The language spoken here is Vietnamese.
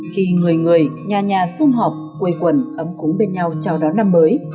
khi người người nhà nhà xung học quê quần ấm cúng bên nhau chào đón năm mới